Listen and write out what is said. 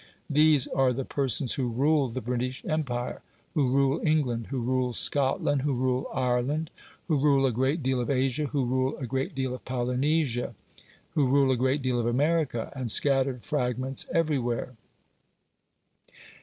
These are the persons who rule the British Empire who rule England, who rule Scotland, who rule Ireland, who rule a great deal of Asia, who rule a great deal of Polynesia, who rule a great deal of America, and scattered fragments everywhere.